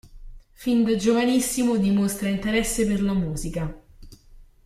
Fin da giovanissimo dimostra interesse per la musica.